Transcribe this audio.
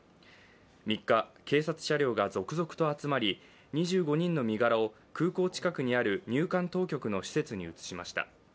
３日、警察車両が続々と集まり２５人の身柄を空港近くにある入管当局の施設に移しました。